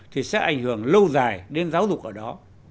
thì sẽ ảnh hưởng lâu dài đến giáo dục ở đó